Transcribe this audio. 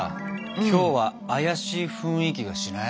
今日は怪しい雰囲気がしない？